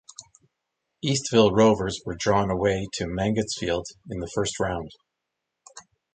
Eastville Rovers were drawn away to Mangotsfield in the first round.